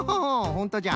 ほんとじゃ。